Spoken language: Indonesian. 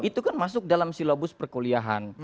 tapi kan itu kan masuk dalam silabus perkuliahan